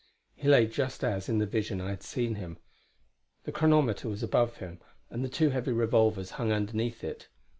He lay just as, in the vision, I had seen him; the chronometer was above him and the two heavy revolvers hung underneath it.